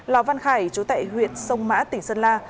ló văn khải trú tại huyện sông mã tỉnh sơn la